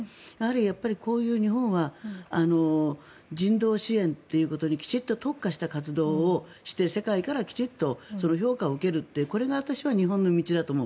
こういう日本は人道支援ということにきちんと特化して活動をして世界からきちんと評価を受けるってこれが私は日本の道だと思う。